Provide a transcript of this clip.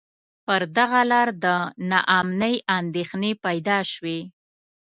پر دغه لار د نا امنۍ اندېښنې پیدا شوې.